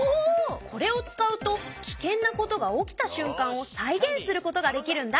これを使うとキケンなことが起きたしゅん間を再現することができるんだ！